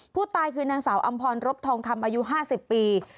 ผู้ตายคือนางสาวอำพรรบทองคำอายุ๕๐ปี